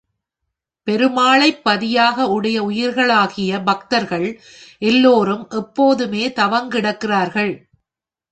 பெருமாளைப் பதியாக உடைய உயிர்களாகிய பக்தர்கள் எல்லோரும் எப்போதுமே தவங்கிடக்கிறார்கள்.